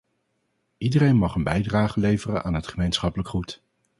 Iedereen mag een bijdrage leveren aan het gemeenschappelijk goed.